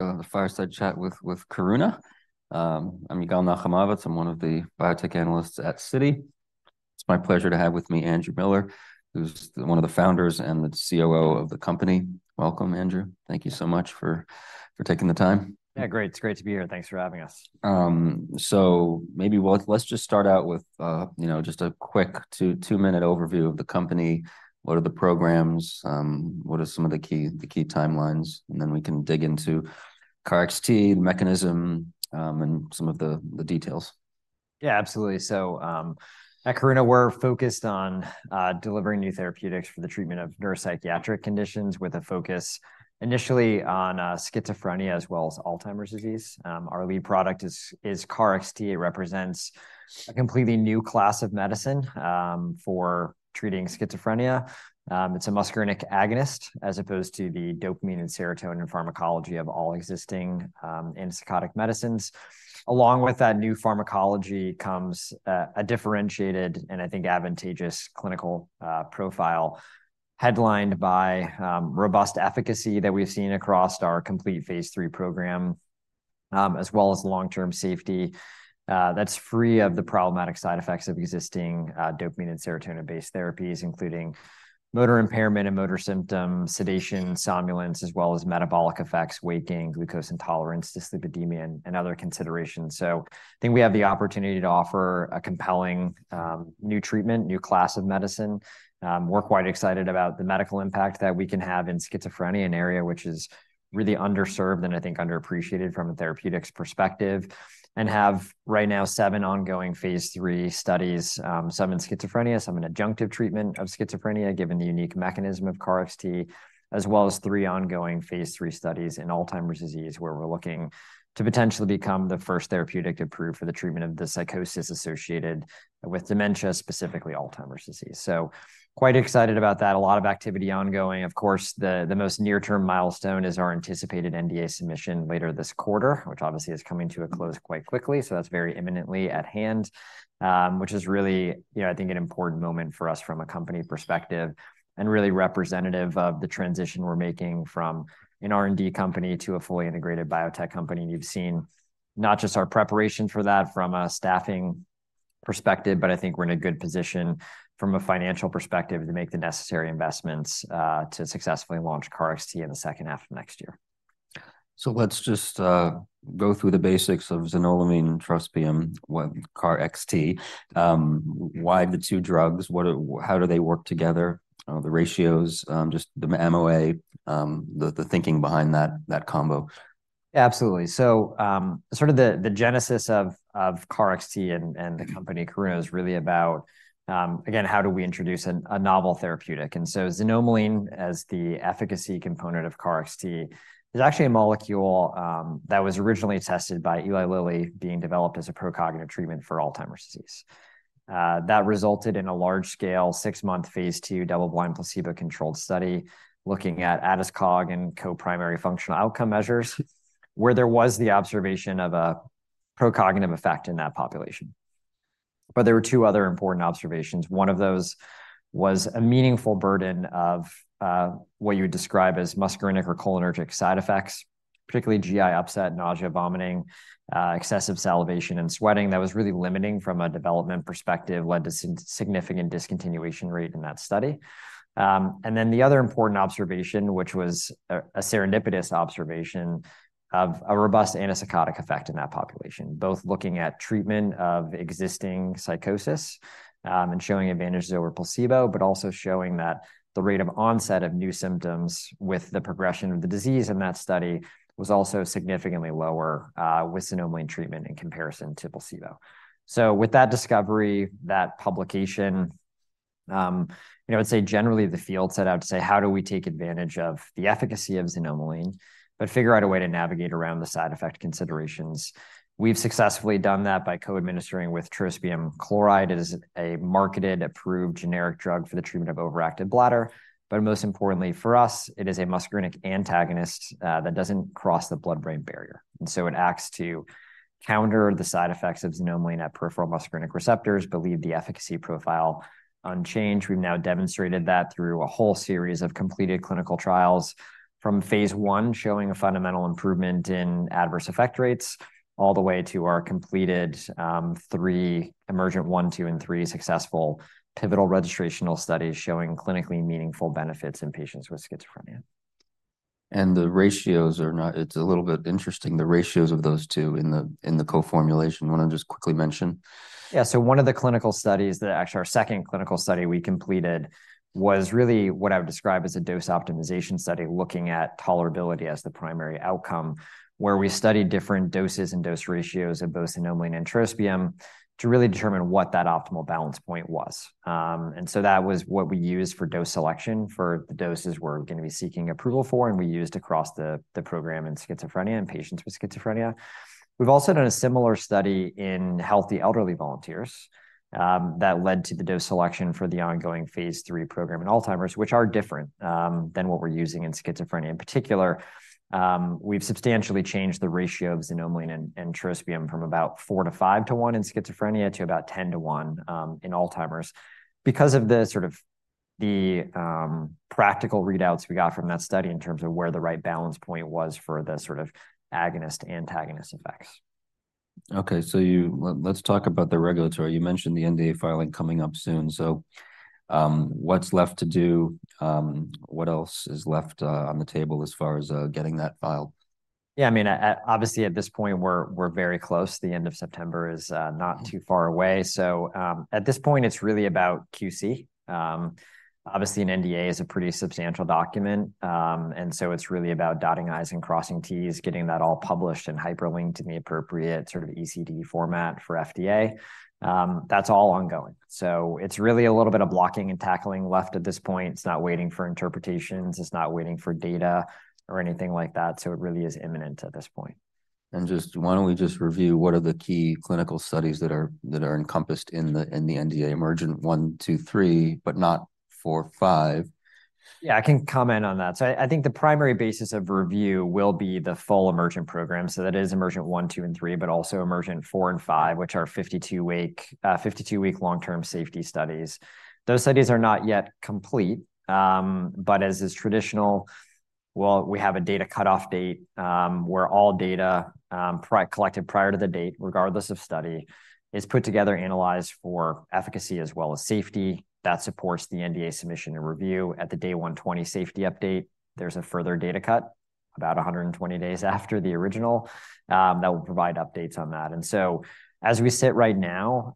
Welcome to the Fireside Chat with Karuna. I'm Yigal Nochomovitz. I'm one of the biotech analysts at Citi. It's my pleasure to have with me Andrew Miller, who's one of the founders and the COO of the company. Welcome, Andrew. Thank you so much for taking the time. Yeah, great. It's great to be here, and thanks for having us. So maybe well, let's just start out with, you know, just a quick two, two minute overview of the company. What are the programs? What are some of the key, the key timelines? And then we can dig into KarXT mechanism, and some of the, the details. Yeah, absolutely. So, at Karuna, we're focused on delivering new therapeutics for the treatment of neuropsychiatric conditions, with a focus initially on schizophrenia as well as Alzheimer's disease. Our lead product is KarXT. It represents a completely new class of medicine for treating schizophrenia. It's a muscarinic agonist, as opposed to the dopamine and serotonin pharmacology of all existing antipsychotic medicines. Along with that new pharmacology comes a differentiated, and I think, advantageous clinical profile, headlined by robust efficacy that we've seen across our complete phase III program, as well as long-term safety that's free of the problematic side effects of existing dopamine and serotonin-based therapies, including motor impairment and motor symptoms, sedation, somnolence, as well as metabolic effects, weight gain, glucose intolerance, dyslipidemia, and other considerations. So I think we have the opportunity to offer a compelling, new treatment, new class of medicine. We're quite excited about the medical impact that we can have in schizophrenia, an area which is really underserved, and I think underappreciated from a therapeutics perspective, and have, right now, seven ongoing phase III studies. Some in schizophrenia, some in adjunctive treatment of schizophrenia, given the unique mechanism of KarXT, as well as three ongoing phase III studies in Alzheimer's disease, where we're looking to potentially become the first therapeutic approved for the treatment of the psychosis associated with dementia, specifically Alzheimer's disease. So quite excited about that. A lot of activity ongoing. Of course, the, the most near-term milestone is our anticipated NDA submission later this quarter, which obviously is coming to a close quite quickly, so that's very imminently at hand. which is really, you know, I think, an important moment for us from a company perspective and really representative of the transition we're making from an R&D company to a fully integrated biotech company. You've seen not just our preparation for that from a staffing perspective, but I think we're in a good position from a financial perspective to make the necessary investments, to successfully launch KarXT in the second half of next year. So let's just go through the basics of xanomeline and trospium, what KarXT. Why the two drugs? How do they work together? The ratios, just the MOA, the thinking behind that combo. Absolutely. So, sort of the genesis of KarXT and the company Karuna is really about, again, how do we introduce a novel therapeutic? And so xanomeline, as the efficacy component of KarXT, is actually a molecule that was originally tested by Eli Lilly, being developed as a pro-cognitive treatment for Alzheimer's disease. That resulted in a large-scale, six month, phase II, double-blind, placebo-controlled study, looking at ADAS-Cog and co-primary functional outcome measures, where there was the observation of a pro-cognitive effect in that population. But there were two other important observations. One of those was a meaningful burden of what you would describe as muscarinic or cholinergic side effects, particularly GI upset, nausea, vomiting, excessive salivation, and sweating. That was really limiting from a development perspective, led to significant discontinuation rate in that study. And then the other important observation, which was a serendipitous observation of a robust antipsychotic effect in that population, both looking at treatment of existing psychosis, and showing advantages over placebo, but also showing that the rate of onset of new symptoms with the progression of the disease in that study was also significantly lower, with xanomeline treatment in comparison to placebo. So with that discovery, that publication, you know, I'd say generally the field set out to say: How do we take advantage of the efficacy of xanomeline, but figure out a way to navigate around the side effect considerations? We've successfully done that by co-administering with trospium chloride. It is a marketed, approved generic drug for the treatment of overactive bladder, but most importantly, for us, it is a muscarinic antagonist, that doesn't cross the blood-brain barrier. And so it acts to counter the side effects of xanomeline at peripheral muscarinic receptors, but leave the efficacy profile unchanged. We've now demonstrated that through a whole series of completed clinical trials, from phase I, showing a fundamental improvement in adverse effect rates, all the way to our completed three, EMERGENT-1, EMERGENT-2, and EMERGENT-3, successful pivotal registrational studies showing clinically meaningful benefits in patients with schizophrenia. The ratios are not. It's a little bit interesting, the ratios of those two in the co-formulation. You wanna just quickly mention? Yeah. So one of the clinical studies, actually, our second clinical study we completed, was really what I would describe as a dose optimization study, looking at tolerability as the primary outcome, where we studied different doses and dose ratios of both xanomeline and trospium to really determine what that optimal balance point was. And so that was what we used for dose selection, for the doses we're gonna be seeking approval for, and we used across the, the program in schizophrenia and patients with schizophrenia. We've also done a similar study in healthy elderly volunteers, that led to the dose selection for the ongoing phase III program in Alzheimer's, which are different than what we're using in schizophrenia. In particular, we've substantially changed the ratio of xanomeline and trospium from about four to five to one in schizophrenia to about 10 to one in Alzheimer's. Because of the sort of practical readouts we got from that study in terms of where the right balance point was for the sort of agonist-antagonist effects. Okay, so let's talk about the regulatory. You mentioned the NDA filing coming up soon. So, what's left to do? What else is left on the table as far as getting that filed? Yeah, I mean, obviously, at this point, we're very close. The end of September is not too far away. So, at this point, it's really about QC. Obviously, an NDA is a pretty substantial document, and so it's really about dotting I's and crossing T's, getting that all published and hyperlinked in the appropriate sort of eCTD format for FDA. That's all ongoing. So it's really a little bit of blocking and tackling left at this point. It's not waiting for interpretations, it's not waiting for data or anything like that, so it really is imminent at this point. Why don't we just review what are the key clinical studies that are, that are encompassed in the, in the NDA EMERGENT-1, EMERGENT-2, EMERGENT-3, but not EMERGENT-4, EMERGENT-5? Yeah, I can comment on that. So I think the primary basis of review will be the full EMERGENT program. So that is EMERGENT-1, EMERGENT-2, and EMERGENT-3, but also EMERGENT-4 and EMERGENT-5, which are 52-week long-term safety studies. Those studies are not yet complete, but as is traditional, well, we have a data cut-off date, where all data collected prior to the date, regardless of study, is put together, analyzed for efficacy as well as safety. That supports the NDA submission and review. At the Day 120 safety update, there's a further data cut, about 120 days after the original, that will provide updates on that. So as we sit right now,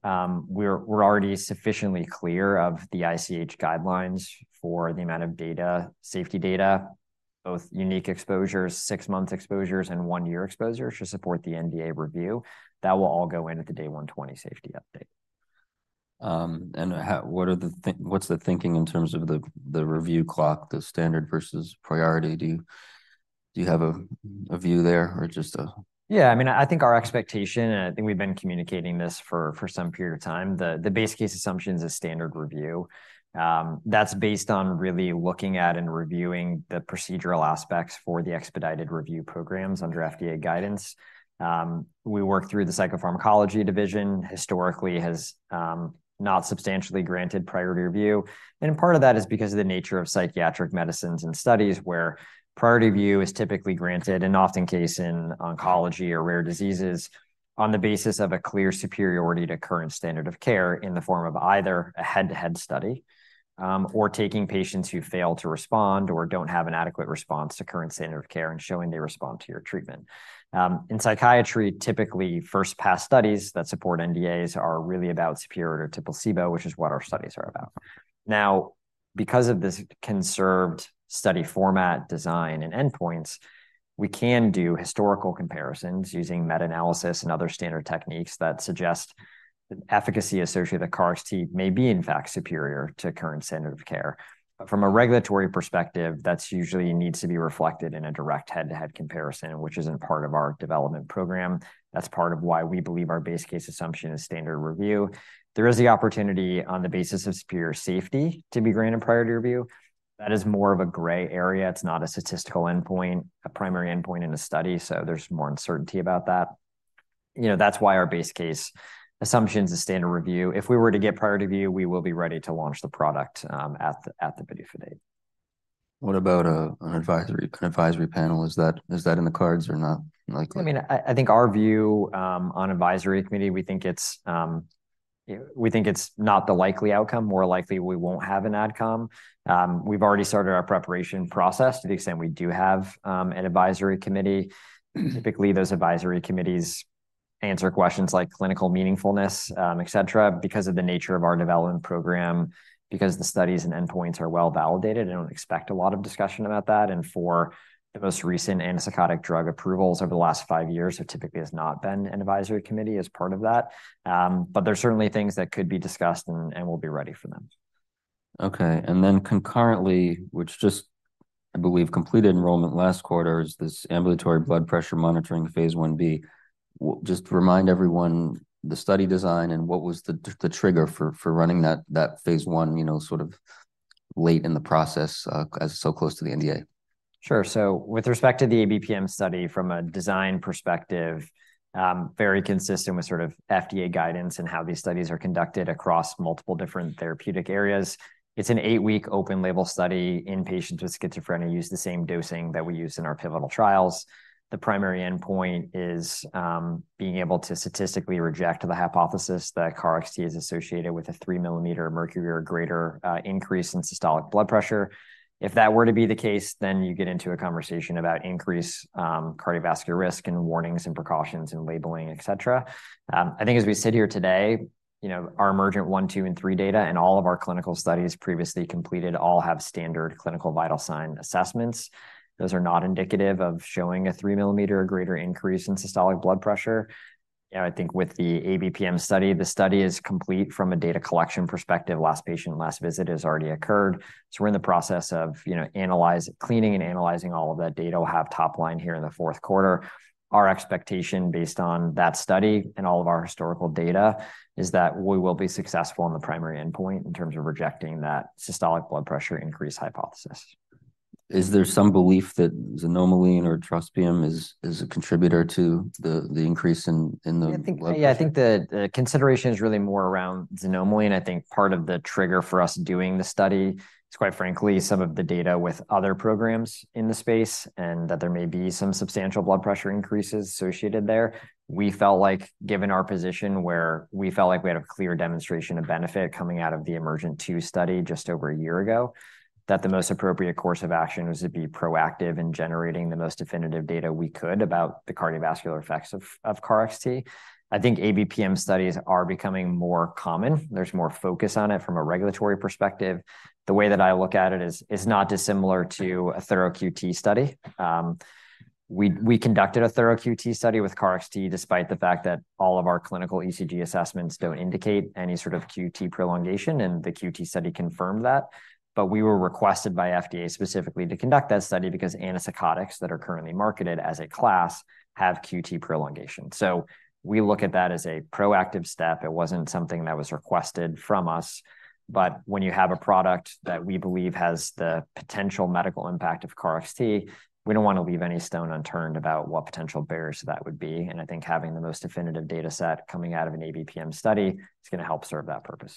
we're already sufficiently clear of the ICH guidelines for the amount of data, safety data, both unique exposures, six month exposures, and one year exposures to support the NDA review. That will all go in at the Day 120 safety update. And what's the thinking in terms of the review clock, the standard versus priority? Do you have a view there or just a- Yeah, I mean, I think our expectation, and I think we've been communicating this for some period of time, the base case assumption is a standard review. That's based on really looking at and reviewing the procedural aspects for the expedited review programs under FDA guidance. We work through the Psychopharmacology Division, historically has not substantially granted priority review, and part of that is because of the nature of psychiatric medicines and studies, where priority review is typically granted, and often the case in oncology or rare diseases, on the basis of a clear superiority to current standard of care in the form of either a head-to-head study, or taking patients who fail to respond or don't have an adequate response to current standard of care and showing they respond to your treatment. In psychiatry, typically, first-pass studies that support NDAs are really about superiority to placebo, which is what our studies are about. Now, because of this conserved study format, design, and endpoints, we can do historical comparisons using meta-analysis and other standard techniques that suggest the efficacy associated with KarXT may be, in fact, superior to current standard of care. But from a regulatory perspective, that's usually needs to be reflected in a direct head-to-head comparison, which isn't part of our development program. That's part of why we believe our base case assumption is standard review. There is the opportunity on the basis of superior safety to be granted priority review. That is more of a gray area. It's not a statistical endpoint, a primary endpoint in a study, so there's more uncertainty about that. You know, that's why our base case assumption is a standard review. If we were to get priority review, we will be ready to launch the product at the PDUFA date. What about an advisory panel? Is that in the cards or not likely? I mean, I think our view on advisory committee, we think it's not the likely outcome. More likely, we won't have an outcome. We've already started our preparation process to the extent we do have an advisory committee. Typically, those advisory committees answer questions like clinical meaningfulness, et cetera, because of the nature of our development program, because the studies and endpoints are well validated. I don't expect a lot of discussion about that, and for the most recent antipsychotic drug approvals over the last five years, there typically has not been an advisory committee as part of that. But there are certainly things that could be discussed, and we'll be ready for them. Okay, and then concurrently, which just, I believe, completed enrollment last quarter, is this ambulatory blood pressure monitoring phase Ib. Just remind everyone the study design and what was the trigger for running that phase I, you know, sort of late in the process, as so close to the NDA. Sure. So with respect to the ABPM study from a design perspective, very consistent with sort of FDA guidance and how these studies are conducted across multiple different therapeutic areas. It's an eight week open label study in patients with schizophrenia, use the same dosing that we use in our pivotal trials. The primary endpoint is being able to statistically reject the hypothesis that KarXT is associated with a 3 mm Hg or greater increase in systolic blood pressure. If that were to be the case, then you get into a conversation about increased cardiovascular risk and warnings and precautions in labeling, et cetera. I think as we sit here today, you know, our EMERGENT-1, EMERGENT-2, and EMERGENT-3 data and all of our clinical studies previously completed all have standard clinical vital sign assessments. Those are not indicative of showing a 3 mm or greater increase in systolic blood pressure. You know, I think with the ABPM study, the study is complete from a data collection perspective. Last patient, last visit has already occurred. So we're in the process of, you know, cleaning and analyzing all of that data. We'll have top line here in the fourth quarter. Our expectation based on that study and all of our historical data is that we will be successful on the primary endpoint in terms of rejecting that systolic blood pressure increase hypothesis. Is there some belief that xanomeline or trospium is a contributor to the increase in the blood pressure? Yeah, I think the consideration is really more around xanomeline. I think part of the trigger for us doing the study is, quite frankly, some of the data with other programs in the space, and that there may be some substantial blood pressure increases associated there. We felt like, given our position where we felt like we had a clear demonstration of benefit coming out of the EMERGENT-2 study just over a year ago, that the most appropriate course of action was to be proactive in generating the most definitive data we could about the cardiovascular effects of KarXT. I think ABPM studies are becoming more common. There's more focus on it from a regulatory perspective. The way that I look at it is, it's not dissimilar to a thorough QT study. We conducted a thorough QT study with KarXT, despite the fact that all of our clinical ECG assessments don't indicate any sort of QT prolongation, and the QT study confirmed that. But we were requested by FDA specifically to conduct that study because antipsychotics that are currently marketed as a class have QT prolongation. So we look at that as a proactive step. It wasn't something that was requested from us. But when you have a product that we believe has the potential medical impact of KarXT, we don't want to leave any stone unturned about what potential barriers that would be, and I think having the most definitive data set coming out of an ABPM study is going to help serve that purpose.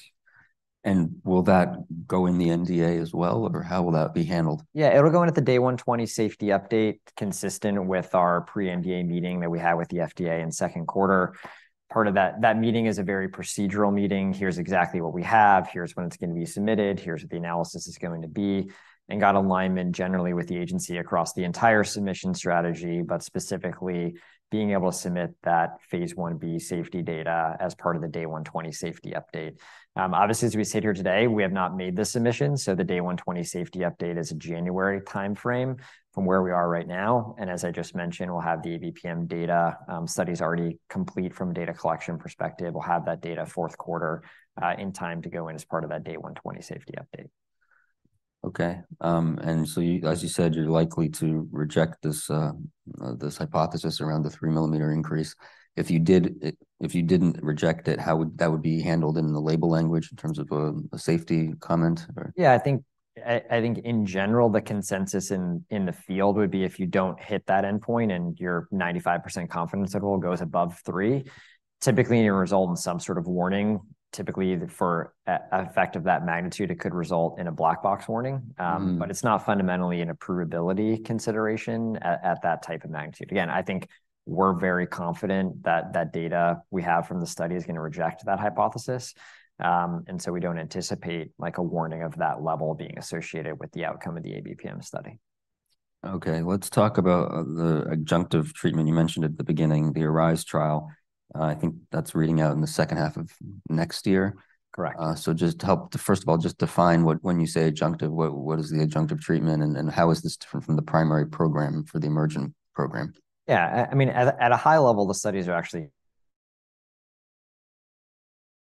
Will that go in the NDA as well, or how will that be handled? Yeah, it'll go into the Day 120 safety update, consistent with our pre-NDA meeting that we had with the FDA in second quarter. Part of that, that meeting is a very procedural meeting. Here's exactly what we have, here's when it's going to be submitted, here's what the analysis is going to be, and got alignment generally with the agency across the entire submission strategy, but specifically being able to submit that Phase Ib safety data as part of the Day 120 safety update. Obviously, as we sit here today, we have not made the submission, so the Day 120 safety update is a January timeframe from where we are right now. And as I just mentioned, we'll have the ABPM data, study's already complete from a data collection perspective. We'll have that data fourth quarter, in time to go in as part of that Day 120 safety update. Okay. As you said, you're likely to reject this hypothesis around the 3-millimeter increase. If you didn't reject it, how would that be handled in the label language in terms of a safety comment or? Yeah, I think in general, the consensus in the field would be if you don't hit that endpoint and your 95% confidence interval goes above three, typically, it'll result in some sort of warning. Typically, for a effect of that magnitude, it could result in a black box warning. Mm-hmm. But it's not fundamentally an approvability consideration at that type of magnitude. Again, I think we're very confident that that data we have from the study is going to reject that hypothesis, and so we don't anticipate, like, a warning of that level being associated with the outcome of the ABPM study. Okay, let's talk about the adjunctive treatment you mentioned at the beginning, the ARISE trial. I think that's reading out in the second half of next year. Correct. So just to help-- first of all, just define what-- when you say adjunctive, what, what is the adjunctive treatment, and, and how is this different from the primary program for the EMERGENT program? Yeah. I mean, at a high level, the studies are actually...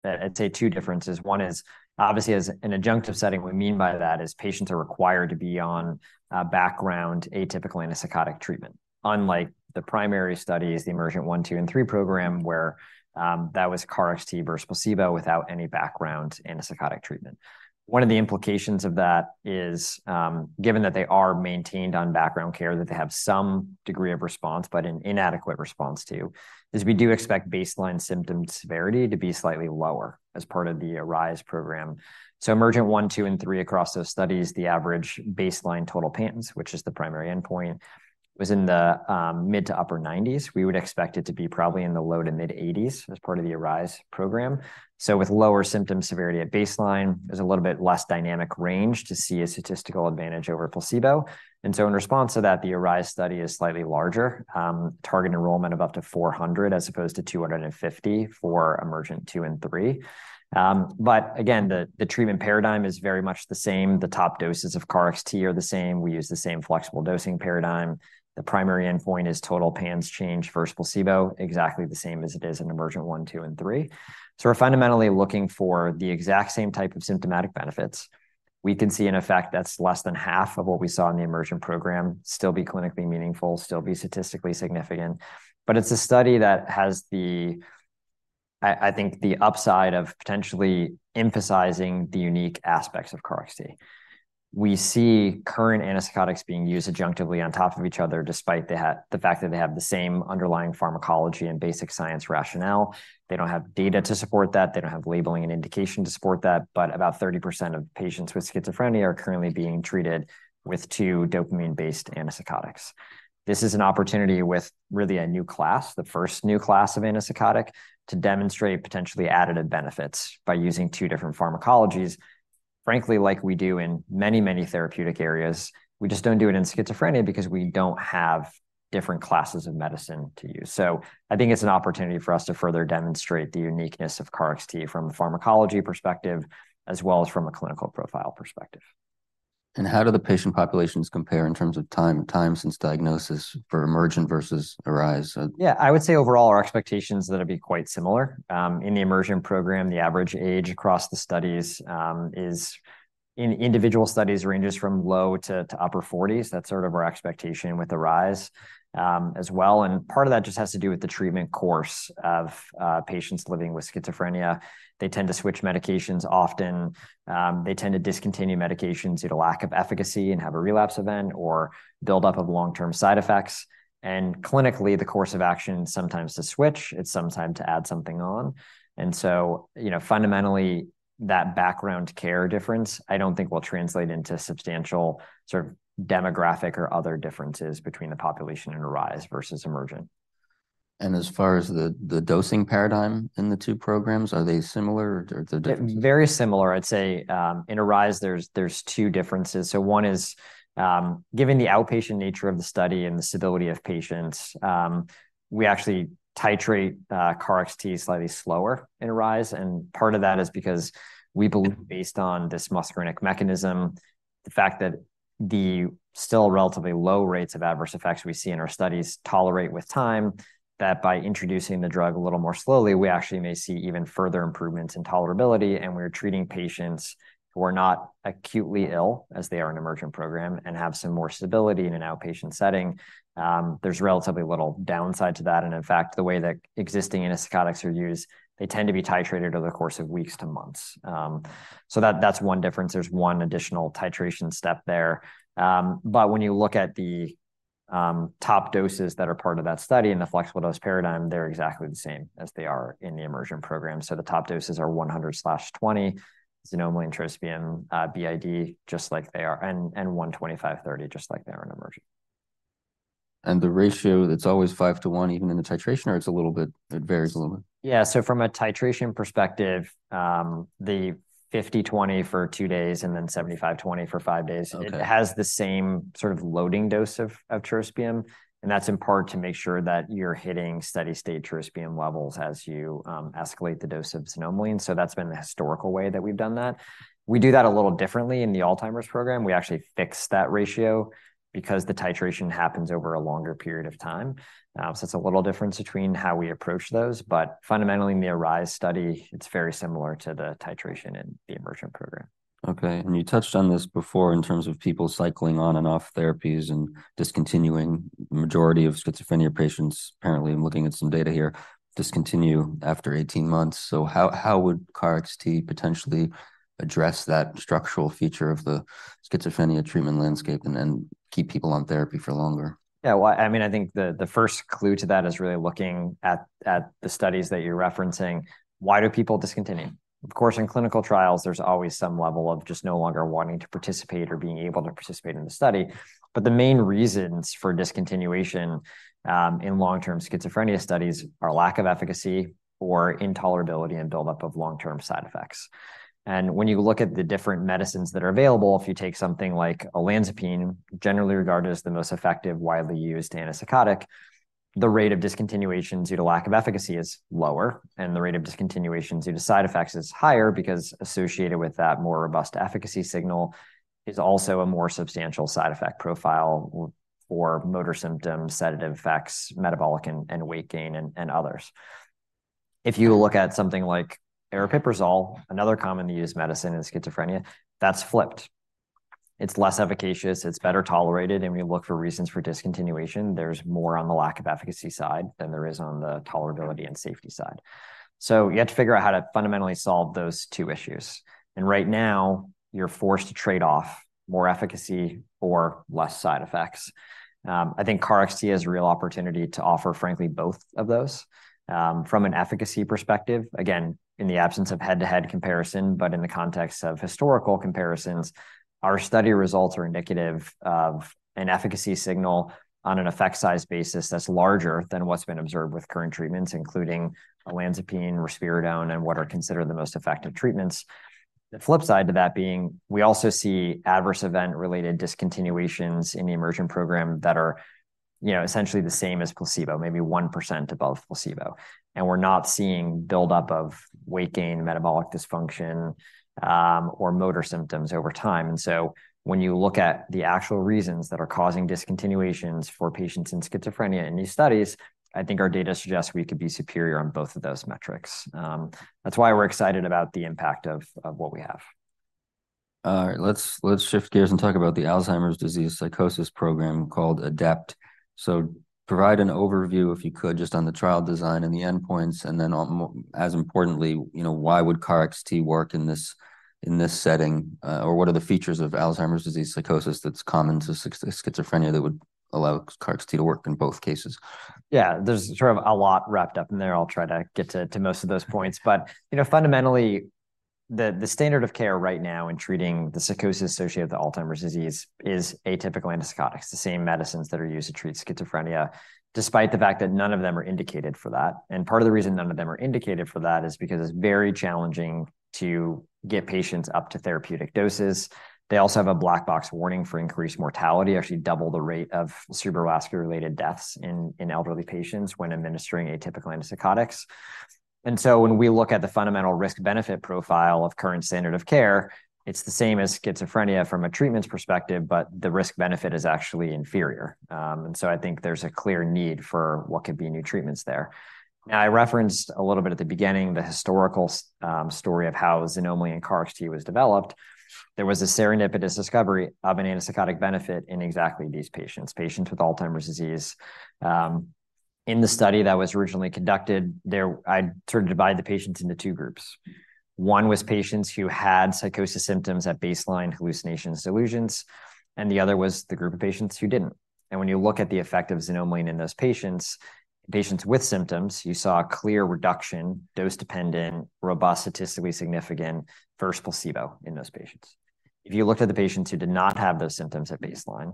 I'd say two differences. One is, obviously, as an adjunctive setting, we mean by that is patients are required to be on background atypical antipsychotic treatment. Unlike the primary studies, the EMERGENT-1, EMERGENT-2, and EMERGENT-3 program, where that was KarXT versus placebo without any background antipsychotic treatment. One of the implications of that is, given that they are maintained on background care, that they have some degree of response, but an inadequate response to, is we do expect baseline symptom severity to be slightly lower as part of the ARISE program. EMERGENT-1, EMERGENT-2, and EMERGENT-3, across those studies, the average baseline total PANSS, which is the primary endpoint, was in the mid to upper 90s. We would expect it to be probably in the low to mid-80s as part of the ARISE program. So with lower symptom severity at baseline, there's a little bit less dynamic range to see a statistical advantage over placebo. And so in response to that, the ARISE study is slightly larger, target enrollment of up to 400, as opposed to 250 for EMERGENT-2 and EMERGENT-3. But again, the treatment paradigm is very much the same. The top doses of KarXT are the same. We use the same flexible dosing paradigm. The primary endpoint is total PANSS change versus placebo, exactly the same as it is in EMERGENT-1, EMERGENT-2, and EMERGENT-3. So we're fundamentally looking for the exact same type of symptomatic benefits. We can see an effect that's less than half of what we saw in the EMERGENT program, still be clinically meaningful, still be statistically significant. But it's a study that has the... I, I think, the upside of potentially emphasizing the unique aspects of KarXT. We see current antipsychotics being used adjunctively on top of each other, despite they have-- the fact that they have the same underlying pharmacology and basic science rationale. They don't have data to support that. They don't have labeling and indication to support that. But about 30% of patients with schizophrenia are currently being treated with two dopamine-based antipsychotics. This is an opportunity with really a new class, the first new class of antipsychotic, to demonstrate potentially additive benefits by using two different pharmacologies, frankly, like we do in many, many therapeutic areas. We just don't do it in schizophrenia because we don't have different classes of medicine to use. So I think it's an opportunity for us to further demonstrate the uniqueness of KarXT from a pharmacology perspective, as well as from a clinical profile perspective. And how do the patient populations compare in terms of time, time since diagnosis for EMERGENT versus ARISE? Yeah, I would say overall, our expectations that'll be quite similar. In the EMERGENT program, the average age across the studies is, in individual studies, ranges from low to upper 40s. That's sort of our expectation with ARISE as well, and part of that just has to do with the treatment course of patients living with schizophrenia. They tend to switch medications often. They tend to discontinue medications due to lack of efficacy and have a relapse event or buildup of long-term side effects. And clinically, the course of action is sometimes to switch, it's sometimes to add something on. And so, you know, fundamentally, that background care difference, I don't think will translate into substantial sort of demographic or other differences between the population in ARISE versus EMERGENT. As far as the dosing paradigm in the two programs, are they similar or they're different? Very similar. I'd say, in ARISE, there's two differences. So one is, given the outpatient nature of the study and the stability of patients, we actually titrate, KarXT slightly slower in ARISE. And part of that is because we believe, based on this muscarinic mechanism, the fact that the still relatively low rates of adverse effects we see in our studies tolerate with time, that by introducing the drug a little more slowly, we actually may see even further improvements in tolerability. And we're treating patients who are not acutely ill, as they are in an EMERGENT program, and have some more stability in an outpatient setting. There's relatively little downside to that, and in fact, the way that existing antipsychotics are used, they tend to be titrated over the course of weeks to months. So that's one difference. There's one additional titration step there. But when you look at the top doses that are part of that study and the flexible dose paradigm, they're exactly the same as they are in the EMERGENT program. So the top doses are 100/20 xanomeline and trospium BID, just like they are—and 125/30, just like they are in EMERGENT. The ratio, that's always 5 to 1, even in the titration, or it's a little bit, it varies a little bit? Yeah, so from a titration perspective, the 50/20 for two days and then 75/20 for five days. Okay. It has the same sort of loading dose of trospium, and that's in part to make sure that you're hitting steady state trospium levels as you escalate the dose of xanomeline. So that's been the historical way that we've done that. We do that a little differently in the Alzheimer's program. We actually fix that ratio because the titration happens over a longer period of time. So it's a little difference between how we approach those, but fundamentally, in the ARISE study, it's very similar to the titration in the EMERGENT program. Okay. And you touched on this before in terms of people cycling on and off therapies and discontinuing. Majority of schizophrenia patients, apparently, I'm looking at some data here, discontinue after 18 months. So how, how would KarXT potentially address that structural feature of the schizophrenia treatment landscape and, and keep people on therapy for longer? Yeah. Well, I mean, I think the first clue to that is really looking at the studies that you're referencing. Why do people discontinue? Of course, in clinical trials, there's always some level of just no longer wanting to participate or being able to participate in the study. But the main reasons for discontinuation in long-term schizophrenia studies are lack of efficacy or intolerability and buildup of long-term side effects. When you look at the different medicines that are available, if you take something like olanzapine, generally regarded as the most effective, widely used antipsychotic, the rate of discontinuation due to lack of efficacy is lower, and the rate of discontinuation due to side effects is higher, because associated with that more robust efficacy signal is also a more substantial side effect profile—motor symptoms, sedative effects, metabolic and weight gain, and others. If you look at something like aripiprazole, another commonly used medicine in schizophrenia, that's flipped. It's less efficacious, it's better tolerated, and when you look for reasons for discontinuation, there's more on the lack of efficacy side than there is on the tolerability and safety side. You have to figure out how to fundamentally solve those two issues. Right now, you're forced to trade off more efficacy or less side effects. I think KarXT has a real opportunity to offer, frankly, both of those. From an efficacy perspective, again, in the absence of head-to-head comparison, but in the context of historical comparisons, our study results are indicative of an efficacy signal on an effect size basis that's larger than what's been observed with current treatments, including olanzapine, risperidone, and what are considered the most effective treatments. The flip side to that being, we also see adverse event-related discontinuations in the EMERGENT program that are, you know, essentially the same as placebo, maybe 1% above placebo. We're not seeing buildup of weight gain, metabolic dysfunction, or motor symptoms over time. When you look at the actual reasons that are causing discontinuations for patients in schizophrenia in these studies, I think our data suggests we could be superior on both of those metrics. That's why we're excited about the impact of what we have. Let's shift gears and talk about the Alzheimer's disease psychosis program called ADEPT. So provide an overview, if you could, just on the trial design and the endpoints, and then, most importantly, you know, why would KarXT work in this setting? Or what are the features of Alzheimer's disease psychosis that's common to schizophrenia that would allow KarXT to work in both cases? Yeah, there's sort of a lot wrapped up in there. I'll try to get to most of those points. But, you know, fundamentally, the standard of care right now in treating the psychosis associated with Alzheimer's disease is atypical antipsychotics, the same medicines that are used to treat schizophrenia, despite the fact that none of them are indicated for that. And part of the reason none of them are indicated for that is because it's very challenging to get patients up to therapeutic doses. They also have a black box warning for increased mortality, actually double the rate of cerebrovascular-related deaths in elderly patients when administering atypical antipsychotics. And so when we look at the fundamental risk-benefit profile of current standard of care, it's the same as schizophrenia from a treatments perspective, but the risk-benefit is actually inferior. And so I think there's a clear need for what could be new treatments there. Now, I referenced a little bit at the beginning, the historical story of how xanomeline and KarXT was developed. There was a serendipitous discovery of an antipsychotic benefit in exactly these patients, patients with Alzheimer's disease. In the study that was originally conducted, there I sort of divide the patients into two groups. One was patients who had psychosis symptoms at baseline, hallucinations, delusions, and the other was the group of patients who didn't. And when you look at the effect of xanomeline in those patients, patients with symptoms, you saw a clear reduction, dose-dependent, robust, statistically significant versus placebo in those patients. If you looked at the patients who did not have those symptoms at baseline,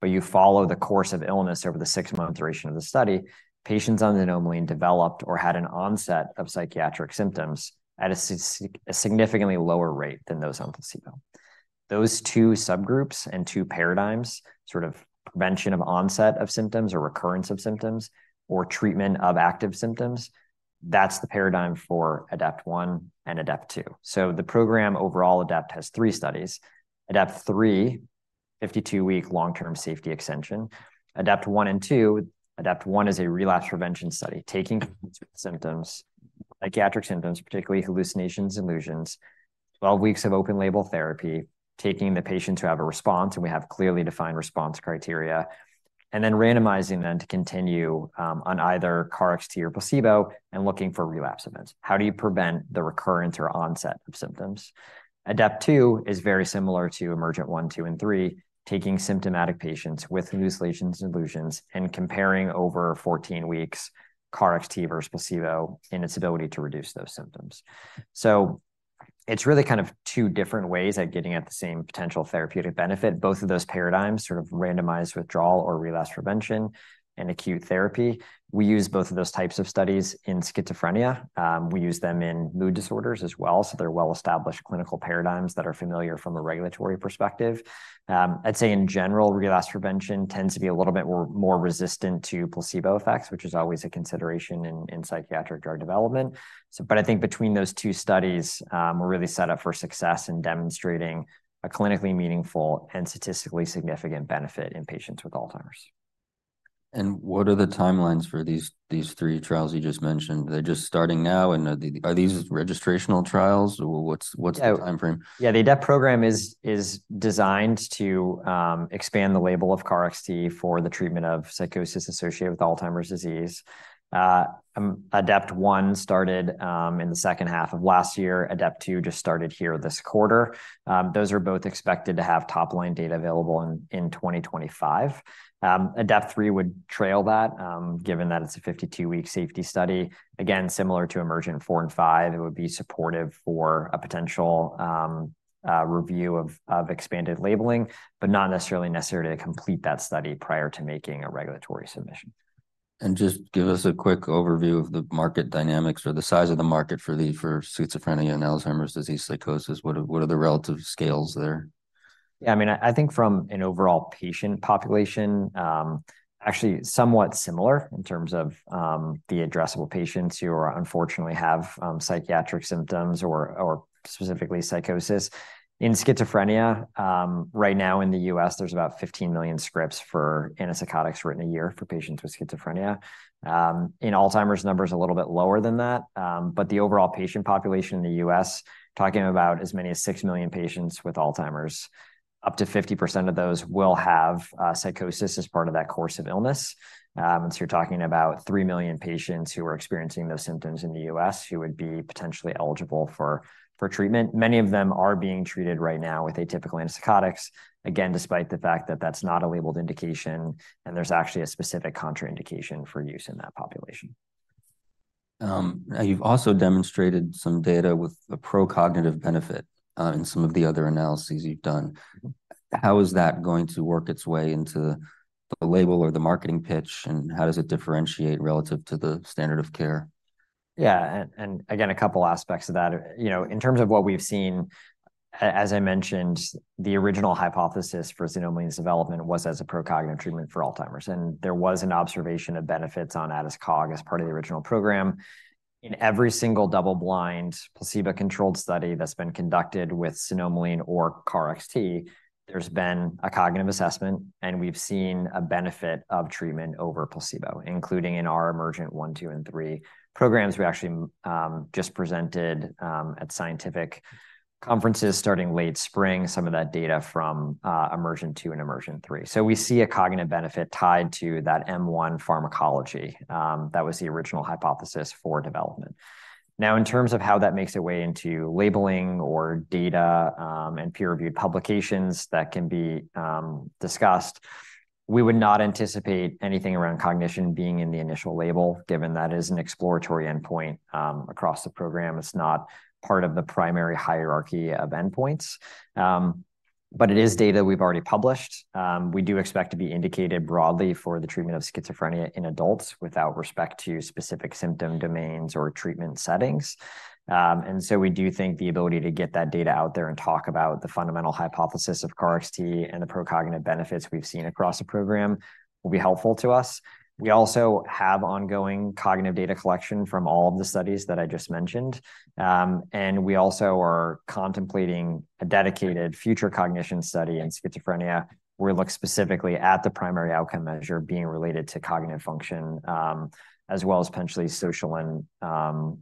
but you follow the course of illness over the six month duration of the study, patients on xanomeline developed or had an onset of psychiatric symptoms at a significantly lower rate than those on placebo. Those two subgroups and two paradigms, sort of prevention of onset of symptoms or recurrence of symptoms or treatment of active symptoms, that's the paradigm for ADEPT-1 and ADEPT-2. The program overall, ADEPT, has three studies. ADEPT-3, 52-week long-term safety extension. ADEPT-1 and 2: ADEPT-1 is a relapse prevention study, taking symptoms, psychiatric symptoms, particularly hallucinations, illusions, 12 weeks of open-label therapy, taking the patients who have a response, and we have clearly defined response criteria, and then randomizing them to continue on either KarXT or placebo and looking for relapse events. How do you prevent the recurrence or onset of symptoms? ADEPT-2 is very similar to EMERGENT-1, EMERGENT-2, and EMERGENT-3, taking symptomatic patients with hallucinations and illusions and comparing over 14 weeks, KarXT versus placebo in its ability to reduce those symptoms. So it's really kind of two different ways at getting at the same potential therapeutic benefit, both of those paradigms, sort of randomized withdrawal or relapse prevention and acute therapy. We use both of those types of studies in schizophrenia. We use them in mood disorders as well, so they're well-established clinical paradigms that are familiar from a regulatory perspective. I'd say in general, relapse prevention tends to be a little bit more, more resistant to placebo effects, which is always a consideration in, in psychiatric drug development. So, but I think between those two studies, we're really set up for success in demonstrating a clinically meaningful and statistically significant benefit in patients with Alzheimer's. What are the timelines for these three trials you just mentioned? They're just starting now, and are these registrational trials, or what's the timeframe? Yeah, the ADEPT program is designed to expand the label of KarXT for the treatment of psychosis associated with Alzheimer's disease. ADEPT-1 started in the second half of last year. ADEPT-2 just started here this quarter. Those are both expected to have top-line data available in 2025. ADEPT-3 would trail that, given that it's a 52-week safety study. Again, similar to EMERGENT-4 and EMERGENT-5, it would be supportive for a potential review of expanded labeling, but not necessarily necessary to complete that study prior to making a regulatory submission. Just give us a quick overview of the market dynamics or the size of the market for schizophrenia and Alzheimer's disease psychosis. What are the relative scales there? Yeah, I mean, I think from an overall patient population, actually somewhat similar in terms of, the addressable patients who are unfortunately have, psychiatric symptoms or, or specifically psychosis. In schizophrenia, right now in the U.S., there's about 15 million scripts for antipsychotics written a year for patients with schizophrenia. In Alzheimer's, number's a little bit lower than that, but the overall patient population in the U.S., talking about as many as 6 million patients with Alzheimer's, up to 50% of those will have, psychosis as part of that course of illness. So you're talking about 3 million patients who are experiencing those symptoms in the U.S. who would be potentially eligible for, for treatment. Many of them are being treated right now with atypical antipsychotics, again, despite the fact that that's not a labeled indication, and there's actually a specific contraindication for use in that population. Now, you've also demonstrated some data with a pro-cognitive benefit, in some of the other analyses you've done. How is that going to work its way into the label or the marketing pitch, and how does it differentiate relative to the standard of care? Yeah, and again, a couple aspects of that. You know, in terms of what we've seen, as I mentioned, the original hypothesis for xanomeline's development was as a pro-cognitive treatment for Alzheimer's, and there was an observation of benefits on ADAS-Cog as part of the original program. In every single double-blind, placebo-controlled study that's been conducted with xanomeline or KarXT, there's been a cognitive assessment, and we've seen a benefit of treatment over placebo, including in our EMERGENT-1, EMERGENT-2, and EMERGENT-3 programs. We actually just presented at scientific conferences starting late spring, some of that data from EMERGENT-2 and EMERGENT-3. So we see a cognitive benefit tied to that M1 pharmacology. That was the original hypothesis for development. Now, in terms of how that makes its way into labeling or data, and peer-reviewed publications, that can be discussed. We would not anticipate anything around cognition being in the initial label, given that is an exploratory endpoint across the program. It's not part of the primary hierarchy of endpoints. But it is data we've already published. We do expect to be indicated broadly for the treatment of schizophrenia in adults, without respect to specific symptom domains or treatment settings. And so we do think the ability to get that data out there and talk about the fundamental hypothesis of KarXT and the pro-cognitive benefits we've seen across the program, will be helpful to us. We also have ongoing cognitive data collection from all of the studies that I just mentioned. And we also are contemplating a dedicated future cognition study in schizophrenia, where we look specifically at the primary outcome measure being related to cognitive function, as well as potentially social and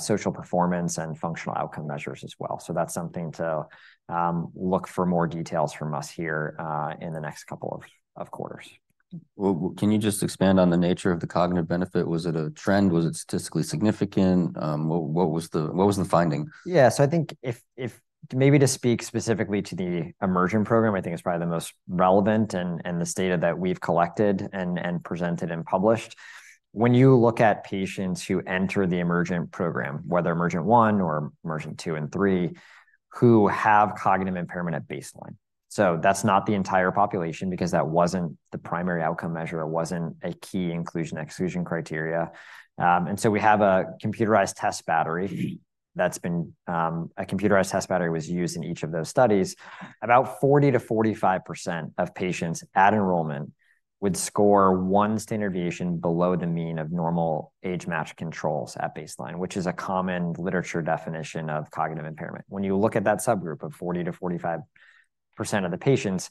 social performance and functional outcome measures as well. So that's something to look for more details from us here in the next couple of quarters. Well, can you just expand on the nature of the cognitive benefit? Was it a trend? Was it statistically significant? What was the finding? Yeah. I think if, if maybe to speak specifically to the EMERGENT program, I think is probably the most relevant, and this data that we've collected and presented and published. When you look at patients who enter the EMERGENT program, whether EMERGENT-1 or EMERGENT-2 and EMERGENT-3, who have cognitive impairment at baseline. That's not the entire population, because that wasn't the primary outcome measure, it wasn't a key inclusion/exclusion criteria. We have a computerized test battery that's been, a computerized test battery was used in each of those studies. About 40-45% of patients at enrollment would score one standard deviation below the mean of normal age-matched controls at baseline, which is a common literature definition of cognitive impairment. When you look at that subgroup of 40%-45% of the patients,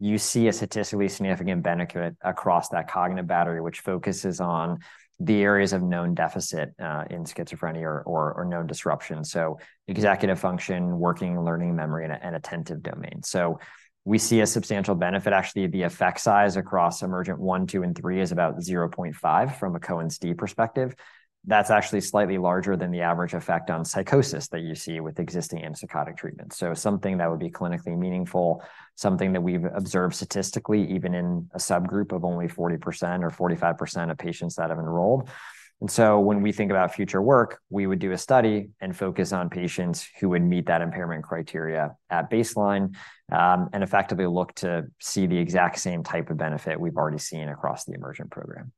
you see a statistically significant benefit across that cognitive battery, which focuses on the areas of known deficit in schizophrenia or known disruption. So executive function, working, and learning memory, and attentive domain. So we see a substantial benefit. Actually, the effect size across EMERGENT-1, EMERGENT-2, and EMERGENT-3 is about 0.5 from a Cohen's d perspective. That's actually slightly larger than the average effect on psychosis that you see with existing antipsychotic treatments. So something that would be clinically meaningful, something that we've observed statistically, even in a subgroup of only 40% or 45% of patients that have enrolled. When we think about future work, we would do a study and focus on patients who would meet that impairment criteria at baseline, and effectively look to see the exact same type of benefit we've already seen across the EMERGENT program.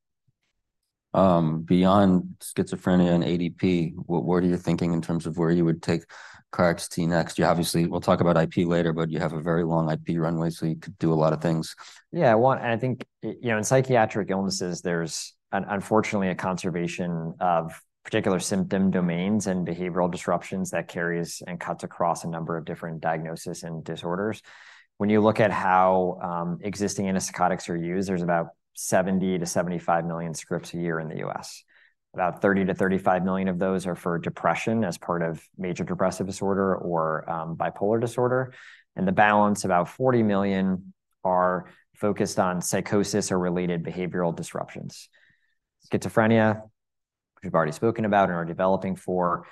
Beyond schizophrenia and ADP, what are you thinking in terms of where you would take KarXT next? You obviously... We'll talk about IP later, but you have a very long IP runway, so you could do a lot of things. Yeah, one, and I think, you know, in psychiatric illnesses, there's unfortunately, a conservation of particular symptom domains and behavioral disruptions that carries and cuts across a number of different diagnosis and disorders. When you look at how existing antipsychotics are used, there's about 70-75 million scripts a year in the U.S. About 30-35 million of those are for depression as part of major depressive disorder or, bipolar disorder, and the balance, about 40 million, are focused on psychosis or related behavioral disruptions. Schizophrenia, which we've already spoken about and are developing for,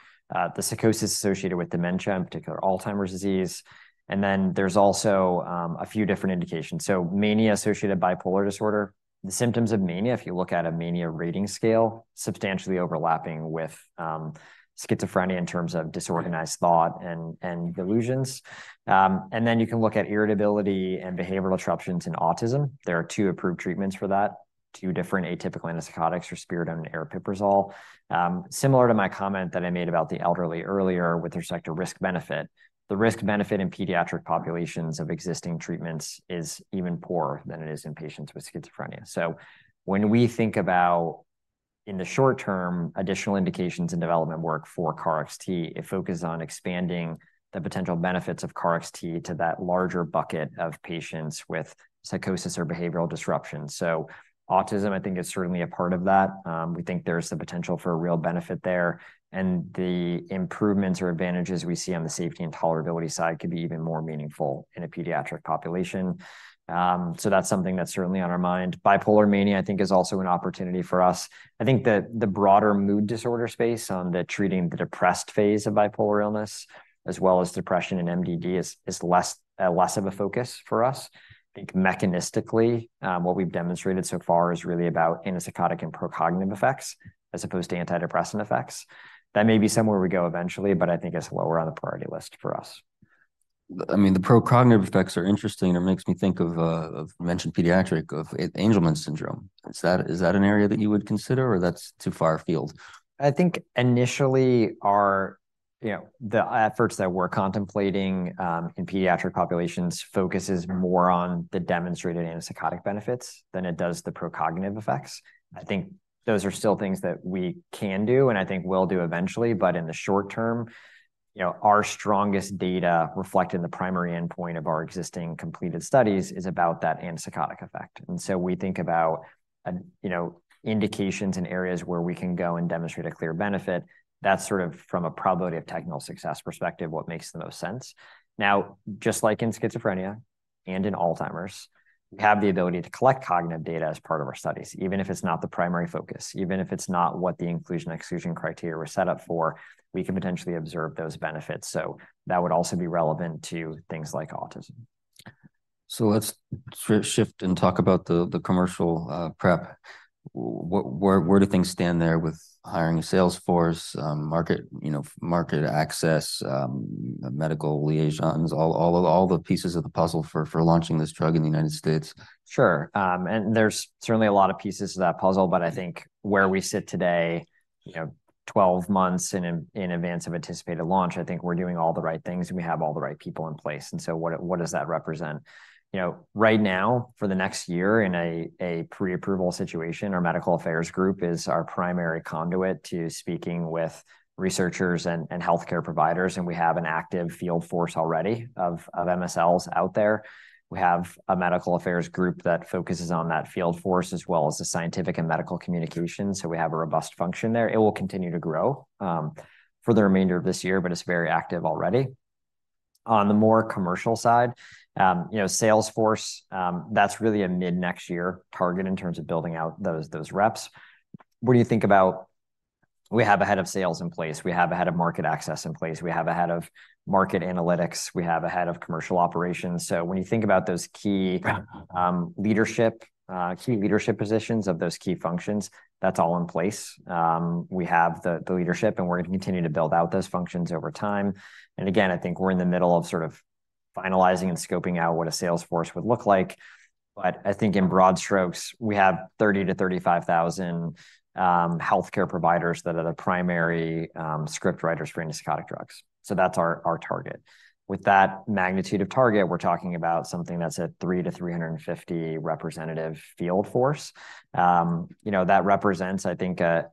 the psychosis associated with dementia, in particular Alzheimer's disease, and then there's also, a few different indications. So mania-associated bipolar disorder. The symptoms of mania, if you look at a mania rating scale, substantially overlapping with, schizophrenia in terms of disorganized thought and delusions. And then you can look at irritability and behavioral disruptions in autism. There are two approved treatments for that, two different atypical antipsychotics, risperidone and aripiprazole. Similar to my comment that I made about the elderly earlier with respect to risk-benefit, the risk-benefit in pediatric populations of existing treatments is even poorer than it is in patients with schizophrenia. So when we think about, in the short term, additional indications and development work for KarXT, it focuses on expanding the potential benefits of KarXT to that larger bucket of patients with psychosis or behavioral disruptions. So autism, I think, is certainly a part of that. We think there's the potential for a real benefit there, and the improvements or advantages we see on the safety and tolerability side could be even more meaningful in a pediatric population. So that's something that's certainly on our mind. Bipolar mania, I think, is also an opportunity for us. I think that the broader mood disorder space on the treating the depressed phase of bipolar illness, as well as depression and MDD, is, is less, less of a focus for us. I think mechanistically, what we've demonstrated so far is really about antipsychotic and pro-cognitive effects, as opposed to antidepressant effects. That may be somewhere we go eventually, but I think it's lower on the priority list for us. I mean, the pro-cognitive effects are interesting, and it makes me think of, of mentioned pediatric, of Angelman syndrome. Is that, is that an area that you would consider, or that's too far afield? I think initially our, you know, the efforts that we're contemplating in pediatric populations focuses more on the demonstrated antipsychotic benefits than it does the pro-cognitive effects. I think those are still things that we can do, and I think will do eventually, but in the short term, you know, our strongest data reflected in the primary endpoint of our existing completed studies is about that antipsychotic effect. So we think about, you know, indications in areas where we can go and demonstrate a clear benefit. That's sort of from a probability of technical success perspective, what makes the most sense. Now, just like in schizophrenia and in Alzheimer's, we have the ability to collect cognitive data as part of our studies, even if it's not the primary focus, even if it's not what the inclusion/exclusion criteria were set up for, we can potentially observe those benefits. So that would also be relevant to things like autism. So let's shift and talk about the commercial prep. Where do things stand there with hiring a sales force, market, you know, market access, medical liaisons, all, all, all the pieces of the puzzle for launching this drug in the United States? Sure. And there's certainly a lot of pieces to that puzzle, but I think where we sit today, you know, 12 months in, in advance of anticipated launch, I think we're doing all the right things, and we have all the right people in place. So what does that represent? You know, right now, for the next year, in a pre-approval situation, our medical affairs group is our primary conduit to speaking with researchers and healthcare providers, and we have an active field force already of MSLs out there. We have a medical affairs group that focuses on that field force, as well as the scientific and medical communication, so we have a robust function there. It will continue to grow for the remainder of this year, but it's very active already. On the more commercial side, you know, sales force, that's really a mid-next year target in terms of building out those, those reps. When you think about... We have a head of sales in place, we have a head of market access in place, we have a head of market analytics, we have a head of commercial operations. So when you think about those key- Right... leadership, key leadership positions of those key functions, that's all in place. We have the, the leadership, and we're going to continue to build out those functions over time. And again, I think we're in the middle of sort of finalising and scoping out what a sales force would look like. But I think in broad strokes, we have 30-35,000 healthcare providers that are the primary script writers for antipsychotic drugs. So that's our, our target. With that magnitude of target, we're talking about something that's a 300-350 representative field force. You know, that represents, I think, a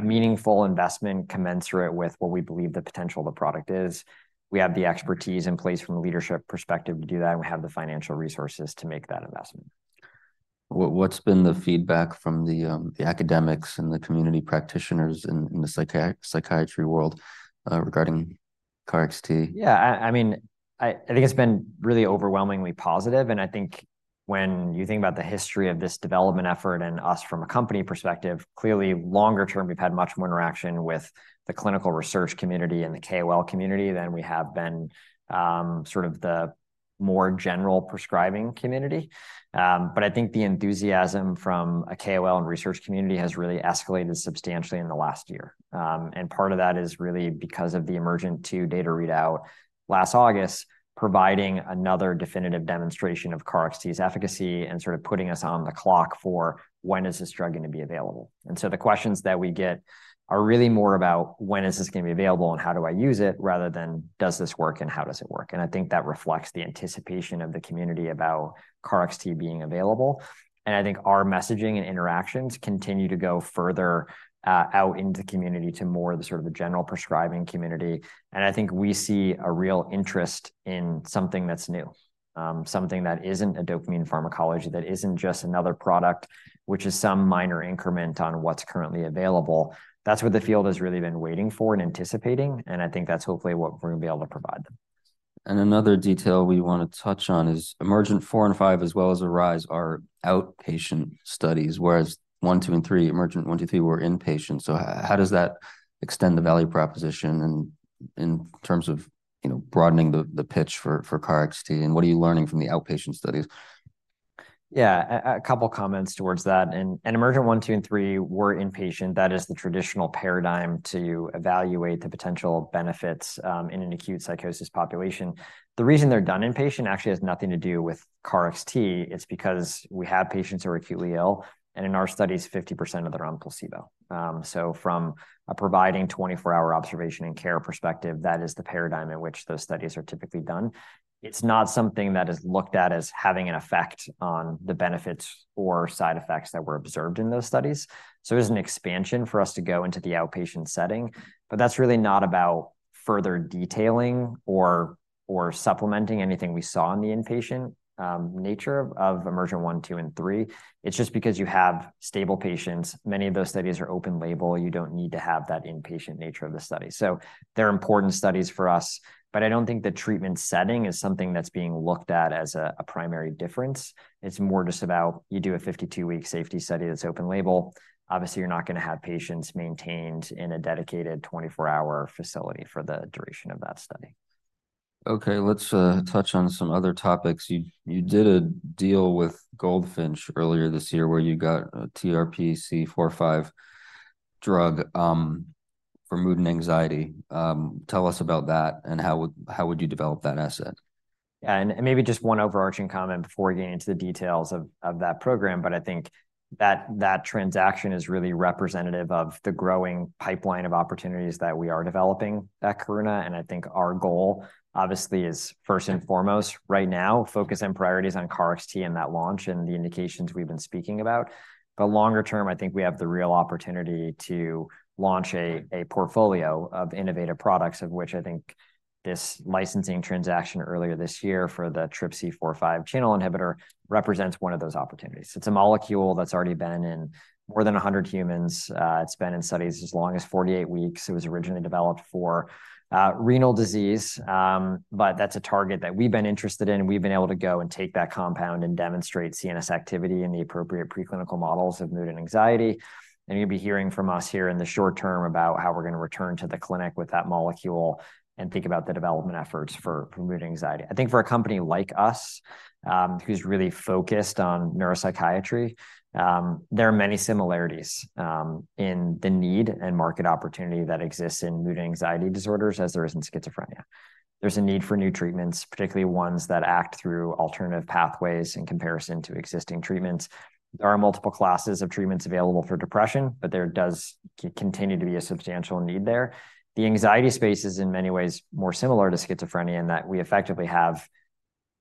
meaningful investment commensurate with what we believe the potential of the product is. We have the expertise in place from a leadership perspective to do that, and we have the financial resources to make that investment. What's been the feedback from the academics and the community practitioners in the psychiatry world regarding KarXT? Yeah, I mean, I think it's been really overwhelmingly positive, and I think when you think about the history of this development effort and us from a company perspective, clearly, longer term, we've had much more interaction with the clinical research community and the KOL community than we have been, sort of the more general prescribing community. But I think the enthusiasm from a KOL and research community has really escalated substantially in the last year. And part of that is really because of the EMERGENT-2 data readout last August, providing another definitive demonstration of KarXT's efficacy and sort of putting us on the clock for when is this drug going to be available. And so the questions that we get are really more about, "When is this going to be available and how do I use it?" rather than, "Does this work and how does it work?" And I think that reflects the anticipation of the community about KarXT being available. And I think our messaging and interactions continue to go further, out into the community to more of the sort of the general prescribing community. And I think we see a real interest in something that's new, something that isn't a dopamine pharmacology, that isn't just another product, which is some minor increment on what's currently available. That's what the field has really been waiting for and anticipating, and I think that's hopefully what we're going to be able to provide them. Another detail we want to touch on is EMERGENT-4 and EMERGENT-5, as well as ARISE, are outpatient studies, whereas 1, 2, and 3, EMERGENT-1, EMERGENT-2, EMERGENT-3, were inpatient. So how does that extend the value proposition in, in terms of, you know, broadening the, the pitch for, for KarXT, and what are you learning from the outpatient studies? Yeah, a couple of comments towards that. EMERGENT-1, EMERGENT-2, and EMERGENT-3 were inpatient. That is the traditional paradigm to evaluate the potential benefits in an acute psychosis population. The reason they're done inpatient actually has nothing to do with KarXT. It's because we have patients who are acutely ill, and in our studies, 50% of them are on placebo. So from providing 24-hour observation and care perspective, that is the paradigm in which those studies are typically done. It's not something that is looked at as having an effect on the benefits or side effects that were observed in those studies. So it is an expansion for us to go into the outpatient setting, but that's really not about further detailing or supplementing anything we saw in the inpatient nature of EMERGENT-1, EMERGENT-2, and EMERGENT-3. It's just because you have stable patients. Many of those studies are open label. You don't need to have that inpatient nature of the study. So they're important studies for us, but I don't think the treatment setting is something that's being looked at as a, a primary difference. It's more just about, you do a 52-week safety study that's open label. Obviously, you're not gonna have patients maintained in a dedicated 24-hour facility for the duration of that study. Okay, let's touch on some other topics. You did a deal with Goldfinch earlier this year, where you got a TRPC4/5 drug for mood and anxiety. Tell us about that, and how would you develop that asset? Maybe just one overarching comment before we get into the details of that program, but I think that transaction is really representative of the growing pipeline of opportunities that we are developing at Karuna. And I think our goal, obviously, is first and foremost, right now, focus and priority is on KarXT and that launch and the indications we've been speaking about. But longer term, I think we have the real opportunity to launch a portfolio of innovative products, of which I think this licensing transaction earlier this year for the TRPC4/5 channel inhibitor represents one of those opportunities. It's a molecule that's already been in more than 100 humans. It's been in studies as long as 48 weeks. It was originally developed for renal disease, but that's a target that we've been interested in. We've been able to go and take that compound and demonstrate CNS activity in the appropriate preclinical models of mood and anxiety. You'll be hearing from us here in the short term about how we're gonna return to the clinic with that molecule and think about the development efforts for mood and anxiety. I think for a company like us, who's really focused on neuropsychiatry, there are many similarities in the need and market opportunity that exists in mood and anxiety disorders, as there is in schizophrenia. There's a need for new treatments, particularly ones that act through alternative pathways in comparison to existing treatments. There are multiple classes of treatments available for depression, but there does continue to be a substantial need there. The anxiety space is, in many ways, more similar to schizophrenia, in that we effectively have-...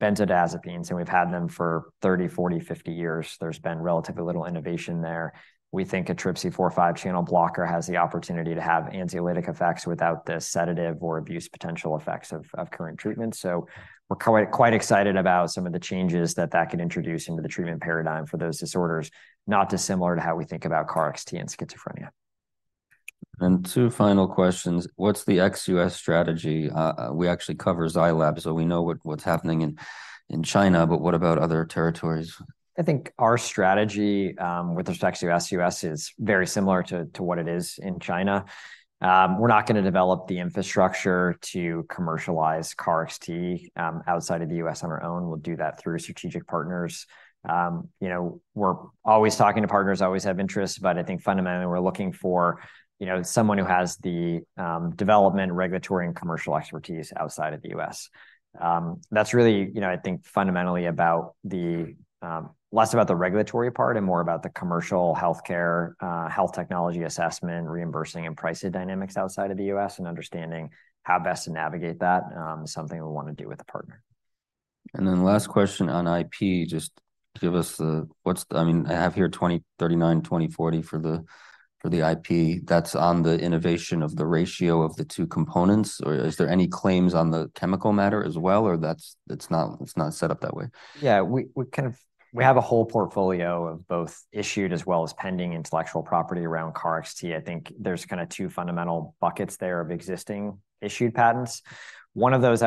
benzodiazepines, and we've had them for 30, 40, 50 years. There's been relatively little innovation there. We think a TRPC4/5 channel blocker has the opportunity to have anxiolytic effects without the sedative or abuse potential effects of, of current treatments. So we're quite, quite excited about some of the changes that that could introduce into the treatment paradigm for those disorders, not dissimilar to how we think about KarXT and schizophrenia. Two final questions: What's the ex-U.S. strategy? We actually cover Zai Lab, so we know what's happening in China, but what about other territories? I think our strategy with respect to ex-U.S. is very similar to what it is in China. We're not gonna develop the infrastructure to commercialize KarXT outside of the U.S. on our own. We'll do that through strategic partners. You know, we're always talking to partners, always have interest, but I think fundamentally, we're looking for, you know, someone who has the development, regulatory, and commercial expertise outside of the U.S. That's really, you know, I think fundamentally about the less about the regulatory part and more about the commercial healthcare, health technology assessment, reimbursing and pricing dynamics outside of the U.S., and understanding how best to navigate that, something we wanna do with a partner. Last question on IP, just give us the-- what's the... I mean, I have here 2039, 2040 for the, for the IP. That's on the innovation of the ratio of the two components, or is there any claims on the chemical matter as well, or that's- it's not, it's not set up that way? Yeah. We kind of have a whole portfolio of both issued as well as pending intellectual property around KarXT. I think there's kind of two fundamental buckets there of existing issued patents. One of those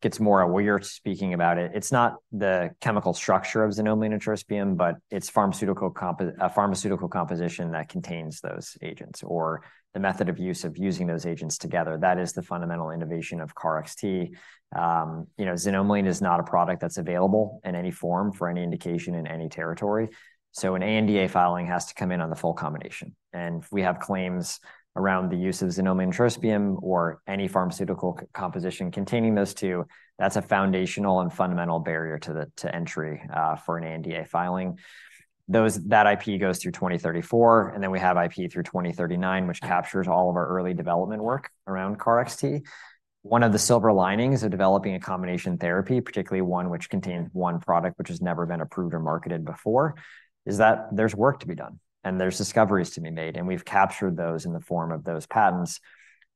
gets more at what you're speaking about it. It's not the chemical structure of xanomeline and trospium, but it's a pharmaceutical composition that contains those agents, or the method of use of using those agents together. That is the fundamental innovation of KarXT. You know, xanomeline is not a product that's available in any form for any indication in any territory, so an ANDA filing has to come in on the full combination. And we have claims around the use of xanomeline, trospium or any pharmaceutical composition containing those two. That's a foundational and fundamental barrier to entry for an ANDA filing. That IP goes through 2034, and then we have IP through 2039, which captures all of our early development work around KarXT. One of the silver linings of developing a combination therapy, particularly one which contains one product which has never been approved or marketed before, is that there's work to be done and there's discoveries to be made, and we've captured those in the form of those patents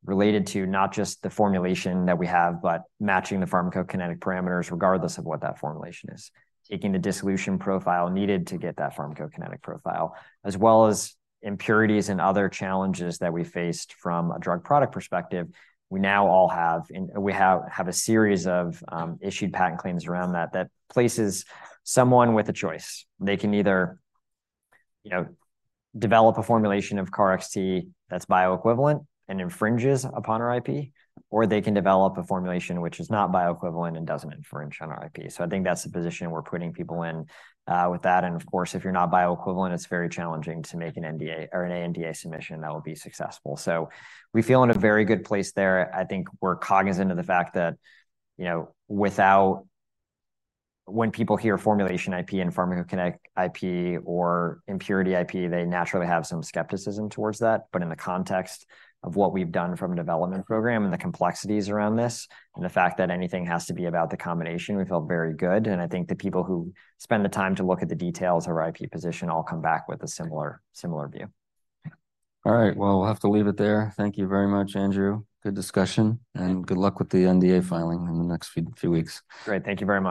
related to not just the formulation that we have, but matching the pharmacokinetic parameters, regardless of what that formulation is. Taking the dissolution profile needed to get that pharmacokinetic profile, as well as impurities and other challenges that we faced from a drug product perspective, we now all have, and we have a series of issued patent claims around that, that places someone with a choice. They can either, you know, develop a formulation of KarXT that's bioequivalent and infringes upon our IP, or they can develop a formulation which is not bioequivalent and doesn't infringe on our IP. So I think that's the position we're putting people in with that, and of course, if you're not bioequivalent, it's very challenging to make an NDA or an ANDA submission that will be successful. So we feel in a very good place there. I think we're cognizant of the fact that, you know, without... When people hear formulation IP, and pharmacokinetic IP or impurity IP, they naturally have some skepticism towards that. In the context of what we've done from a development program and the complexities around this, and the fact that anything has to be about the combination, we feel very good, and I think the people who spend the time to look at the details of our IP position all come back with a similar, similar view. All right. Well, we'll have to leave it there. Thank you very much, Andrew. Good discussion, and good luck with the NDA filing in the next few, few weeks. Great. Thank you very much.